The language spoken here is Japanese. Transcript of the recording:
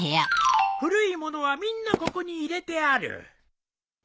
古い物はみんなここに入れてある。